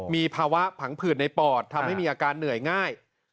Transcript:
มีภาวะผังผืดในปอดทำให้มีอาการเหนื่อยง่าย